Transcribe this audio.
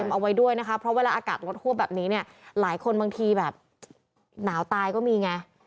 เอาไว้ด้วยนะคะเพราะเวลาอากาศลดหวบแบบนี้เนี่ยหลายคนบางทีแบบหนาวตายก็มีไง